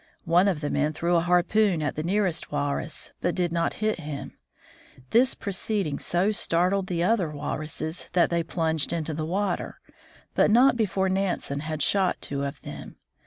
One of the men threw a harpoon at the nearest walrus, but did not hit him. This proceeding so startled the other wal ruses that they plunged into the water, but not before Nan sen had shot two of them.